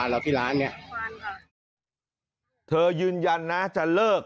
อ๋อฟังแล้วที่ร้านเนี้ยฟังค่ะเธอยืนยันนะจะเลิก